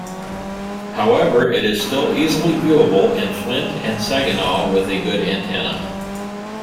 However, it is still easily viewable in Flint and Saginaw with a good antenna.